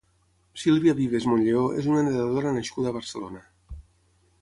Silvia Vives Montlleó és una nedadora nascuda a Barcelona.